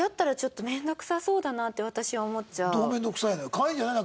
かわいいんじゃない？